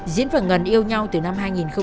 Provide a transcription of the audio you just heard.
diễn và ngân yêu nhau từ năm hai nghìn một mươi